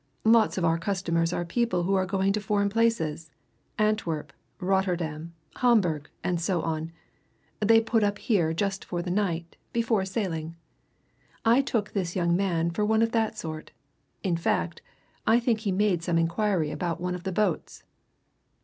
Lots of our customers are people who are going to foreign places Antwerp, Rotterdam, Hamburg, and so on they put up here just for the night, before sailing. I took this young man for one of that sort in fact, I think he made some inquiry about one of the boats."